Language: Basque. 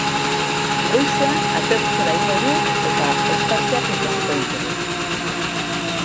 Goizean atertzera egingo du eta ostarteak ikusiko ditugu.